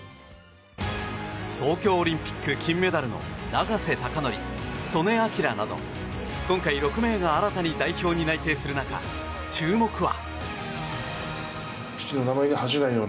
東京オリンピック金メダルの永瀬貴規、素根輝など今回、６名が新たに代表に内定する中、注目は。